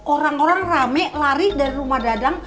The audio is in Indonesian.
orang orang rame lari dari rumah dadang